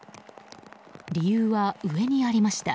理由は上にありました。